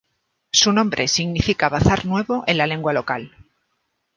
Su nombre significa "bazar nuevo" en la lengua local.